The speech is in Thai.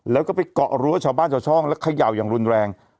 แล้วก็ไปเกาะรั้วชาวบ้านชาวช่องแล้วเขย่าอย่างรุนแรง